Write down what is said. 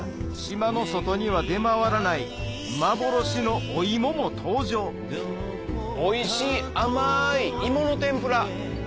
島の外には出回らない幻のおイモも登場おいしい甘いイモの天ぷら。